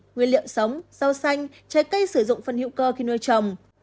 nguyên liệu sống rau xanh trái cây sử dụng phân hữu cơ khi nuôi trồng